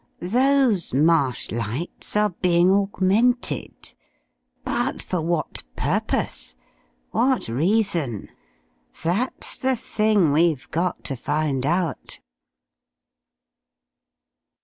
Those marsh lights are being augmented. But for what purpose? What reason? That's the thing we've got to find out."